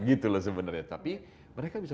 gitu loh sebenarnya tapi mereka bisa